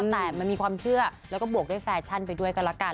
แต่มันมีความเชื่อแล้วก็บวกด้วยแฟชั่นไปด้วยกันละกัน